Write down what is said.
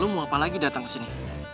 lo mau apa lagi datang kesini